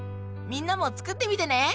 みんなも作ってみてね！